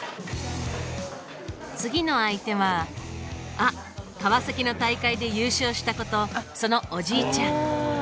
次の相手はあっ川崎の大会で優勝した子とそのおじいちゃん。